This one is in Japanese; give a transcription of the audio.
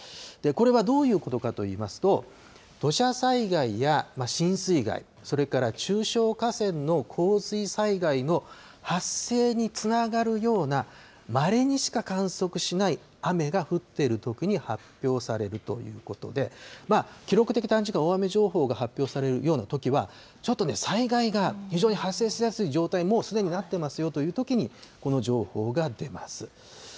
これはどういうことかといいますと、土砂災害や浸水害、それから中小河川の洪水災害の発生につながるような、まれにしか観測しない雨が降っているときに発表されるということで、記録的短時間大雨情報が発表されるようなときは、ちょっとね、災害が非常に発生しやすい状態、もうすでになってますよというときに、この情報が出ます。